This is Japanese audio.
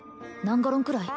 何ガロンくらい？